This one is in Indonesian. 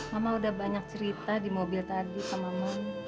mama udah banyak cerita di mobil tadi sama mama